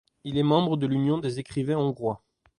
Il est membre de l'Union des Écrivains Hongrois.